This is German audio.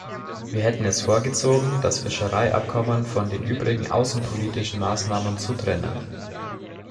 Wir hätten es vorgezogen, das Fischereiabkommen von den übrigen außenpolitischen Maßnahmen zu trennen.